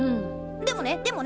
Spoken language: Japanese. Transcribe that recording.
でもねでもね